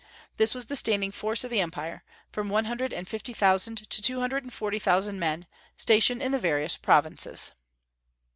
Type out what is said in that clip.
This was the standing force of the empire, from one hundred and fifty thousand to two hundred and forty thousand men, stationed in the various provinces.